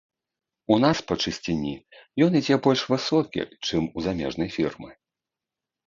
У нас па чысціні ён ідзе больш высокі, чым у замежнай фірмы.